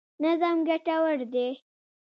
نظم ګټور دی.